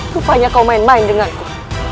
rupanya kau main main denganku